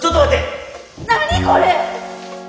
何これ！？